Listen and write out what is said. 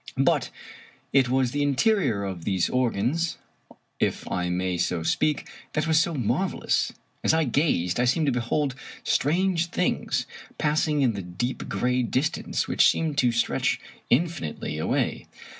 But it was the interior of these organs — if I may so speak — that was so marvelous. As I gazed, I seemed to behold strange things passing in the deep gray distance which seemed to stretch infinitely away.